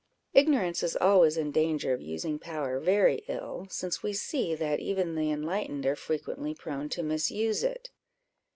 Ignorance is always in danger of using power very ill, since we see that even the enlightened are frequently prone to misuse it."